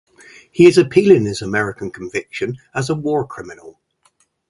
He is appealing his American conviction as a war criminal.